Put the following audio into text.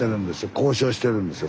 交渉してるんですよ